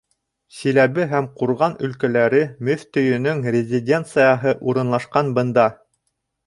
Силәбе һәм Ҡурған өлкәләре мөфтөйөнөң резиденцияһы урынлашҡан бында.